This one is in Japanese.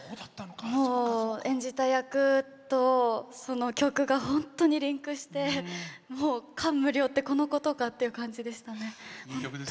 演じた役とその曲が本当にリンクしてもう感無量ってこのことかという感じでしたね。